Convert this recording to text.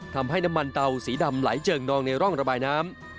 ทำให้น้ำมันเตาสีดำไหลเจิงนองในร่องระบายน้ำ